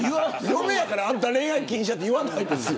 嫁やからあんた恋愛禁止って言わないです